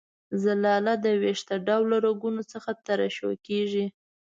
زلالیه د وېښته ډوله رګونو څخه ترشح کیږي.